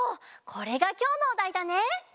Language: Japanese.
これがきょうのおだいだね？